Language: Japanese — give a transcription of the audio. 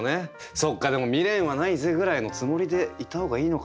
そっかでも「未練はないぜ」ぐらいのつもりでいた方がいいのか。